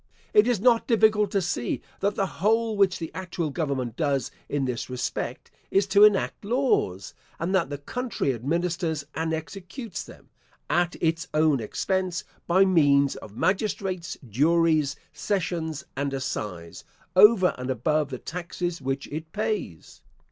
It is not difficult to see, that the whole which the actual government does in this respect, is to enact laws, and that the country administers and executes them, at its own expense, by means of magistrates, juries, sessions, and assize, over and above the taxes which it pays.